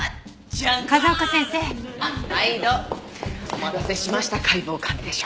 お待たせしました解剖鑑定書。